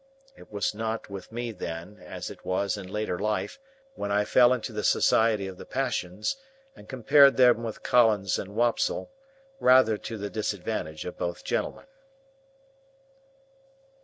It was not with me then, as it was in later life, when I fell into the society of the Passions, and compared them with Collins and Wopsle, rather to the disadvantage of both gentlemen.